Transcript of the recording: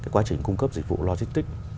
quá trình cung cấp dịch vụ logistics